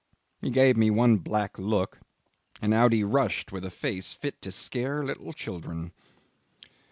He gave me one black look, and out he rushed with a face fit to scare little children."